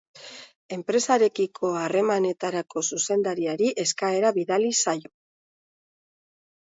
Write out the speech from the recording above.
Enpresarekiko Harremanetarako Zuzendariari eskaera bidali zaio.